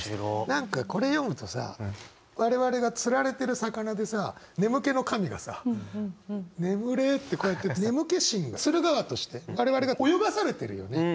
何かこれ読むとさ我々が釣られてる魚でさ眠気の神がさ「眠れ」ってこうやって眠気神が釣る側として我々が泳がされてるよね！